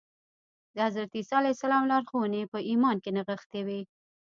د حضرت عیسی علیه السلام لارښوونې په ایمان کې نغښتې وې